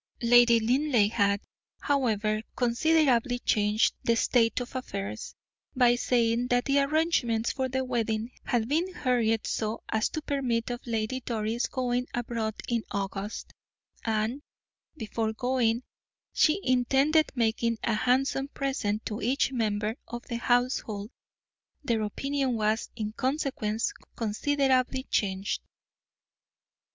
Lady Linleigh had, however, considerably changed the state of affairs, by saying that the arrangements for the wedding had been hurried so as to permit of Lady Doris going abroad in August, and, before going, she intended making a handsome present to each member of the household. Their opinion was, in consequence, considerably changed.